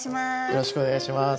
よろしくお願いします。